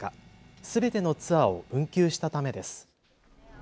すべてのツアーを運休したためです。